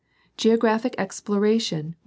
Geographic exploration Fig. 16.